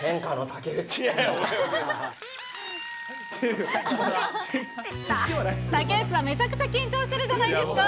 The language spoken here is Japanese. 武内さん、めちゃくちゃ緊張してるじゃないですか。